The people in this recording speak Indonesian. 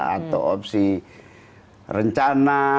atau opsi rencana